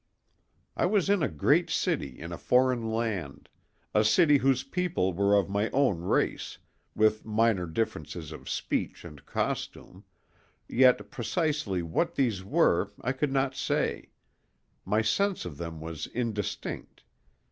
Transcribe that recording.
I was in a great city in a foreign land—a city whose people were of my own race, with minor differences of speech and costume; yet precisely what these were I could not say; my sense of them was indistinct.